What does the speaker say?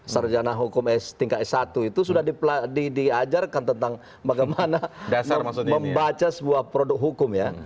sarjana hukum s tingkat s satu itu sudah diajarkan tentang bagaimana membaca sebuah produk hukum ya